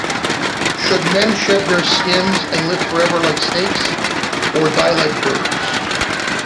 Should men shed their skins and live forever like snakes, or die like birds?